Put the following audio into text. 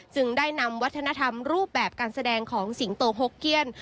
จึงได้นำวัฒนธรรมรูปแบบการแสดงของสิงโตหกเกี้ยน